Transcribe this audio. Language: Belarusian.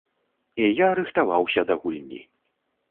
І я рыхтаваўся да гульні.